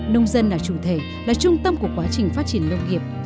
nông dân là chủ thể là trung tâm của quá trình phát triển nông nghiệp